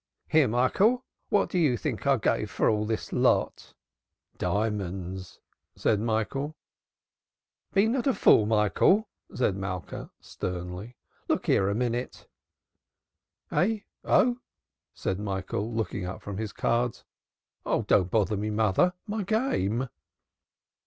"Here, Michael, what do you think I gave for all this lot?" "Diamonds!" said Michael. "Be not a fool, Michael," said Malka sternly. "Look here a minute." "Eh? Oh!" said Michael looking up from his cards. "Don't bother, mother. My game!"